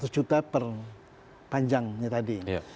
empat ratus juta per panjangnya tadi